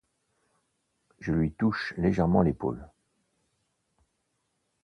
Je lui touche légèrement l’épaule.